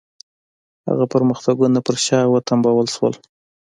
هغه پرمختګونه پر شا وتمبول شول.